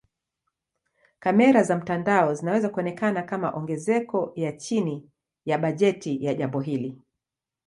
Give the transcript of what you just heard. Kamera za mtandao zinaweza kuonekana kama ongezeko ya chini ya bajeti ya jambo hili.